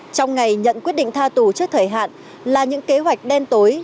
trong ngày nhận quyết định tha tù trước thời hạn là những kế hoạch đen tối